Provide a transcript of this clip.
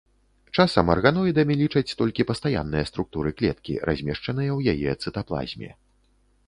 Часам арганоідамі лічаць толькі пастаянныя структуры клеткі, размешчаныя ў яе цытаплазме.